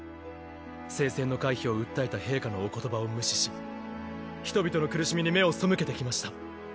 聖戦の回避を訴えた陛下のお言葉を無視し人々の苦しみに目を背けてきました。